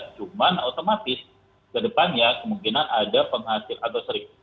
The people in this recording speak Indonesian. cuma otomatis ke depannya kemungkinan ada penghasil atau sering